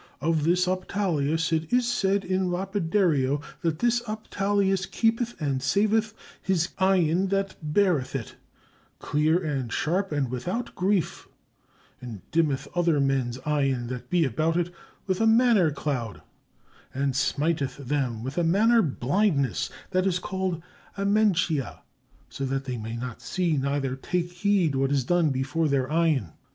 Of this Optallius it is said in Lapidario, that this Optallius keepeth and saveth his eyen that beareth it, cleere and sharp and without griefe, and dimmeth other men's eyen that be about, with a maner clowde, and smiteth them with a maner blindnesse, that is called Amentia, so that they may not see neither take heede what is done before their eyen.